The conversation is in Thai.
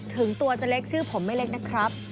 คุณจะเล็กชื่อผมไม่เล็กนะครับ